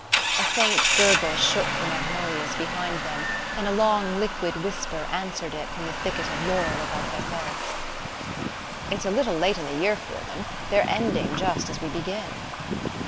A faint gurgle shook the magnolias behind them, and a long liquid whisper answered it from the thicket of laurel above their heads. "It's a little late in the year for them: they're ending just as we begin."